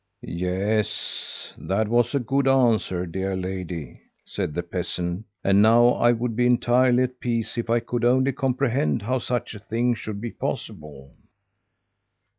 "'Yes, that was a good answer, dear lady,' said the peasant, 'and now I would be entirely at peace if I could only comprehend how such a thing should be possible.'